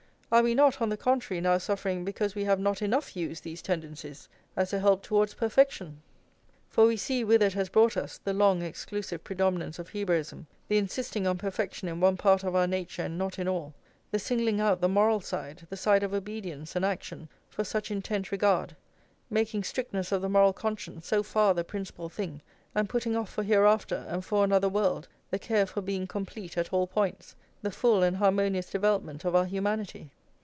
Are we not, on the contrary, now suffering because we have not enough used these tendencies as a help towards perfection? For we see whither it has brought us, the long exclusive predominance of Hebraism, the insisting on perfection in one part of our nature and not in all; the singling out the moral side, the side of obedience and action, for such intent regard; making strictness of the moral conscience so far the principal thing, and putting off for hereafter and for another world the care for being complete at all points, the full and harmonious development of our humanity.